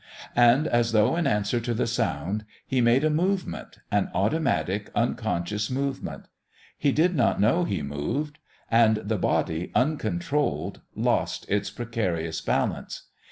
And, as though in answer to the sound, he made a movement an automatic, unconscious movement. He did not know he moved. And the body, uncontrolled, lost its precarious balance.